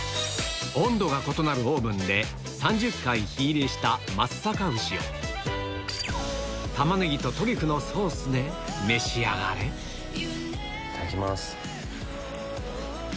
温度が異なるオーブンで３０回火入れした松阪牛をタマネギとトリュフのソースで召し上がれいただきます。